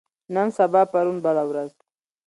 نن سبا پرون بله ورځ